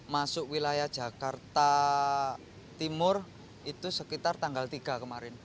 masuk wilayah jakarta timur itu sekitar tanggal tiga kemarin